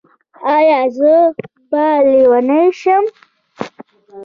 ایا زه به لیونۍ شم؟